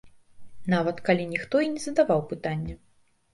Нават калі ніхто і не задаваў пытання.